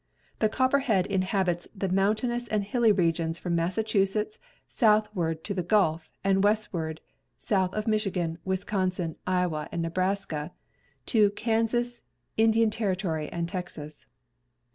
The copperhead inhabits the mountainous and hilly regions from Massachusetts southward to the Gulf, and westward (south of Michigan, Wisconsin, Iowa, and Nebraska) to Kansas, Indian Ty., and Texas.